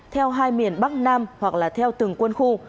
theo hai miền bắc nam hoặc là theo từng quân khu